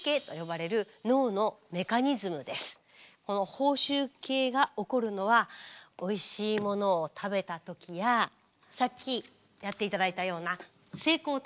報酬系が起こるのはおいしいものを食べた時やさっきやって頂いたような成功体験。